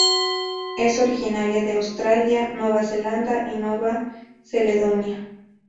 Es originaria de Australia, Nueva Zelanda y Nueva Caledonia.